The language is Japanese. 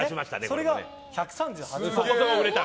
それが１３８万円。